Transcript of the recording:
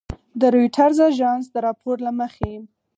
د رویټرز اژانس د راپور له مخې